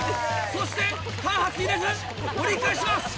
そして間髪入れず折り返します。